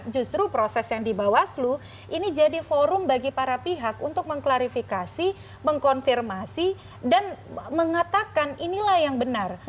justru proses yang di bawaslu ini jadi forum bagi para pihak untuk mengklarifikasi mengkonfirmasi dan mengatakan inilah yang benar